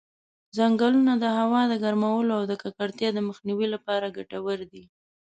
ځنګلونه د هوا د ګرمولو او د ککړتیا د مخنیوي لپاره ګټور دي.